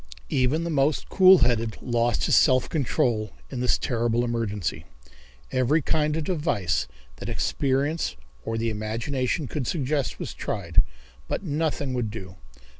Even the most cool headed lost his self control in this terrible emergency. Every kind of device that experience or the imagination could suggest was tried, but nothing would do.